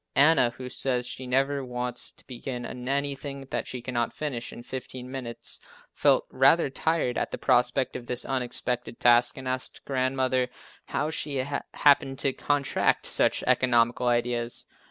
Anna, who says she never wants to begin anything that she cannot finish in 15 minutes, felt rather tired at the prospect of this unexpected task and asked Grandmother how she happened to contract such economical ideas.